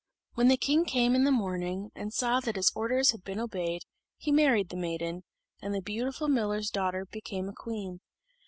When the king came in the morning, and saw that his orders had been obeyed, he married the maiden, and the beautiful miller's daughter became a queen.